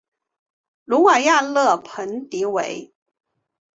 努瓦亚勒蓬提维。